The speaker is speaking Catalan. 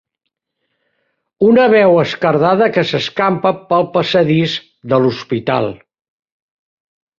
Una veu esquerdada que s'escampa pel passadís de l'hospital.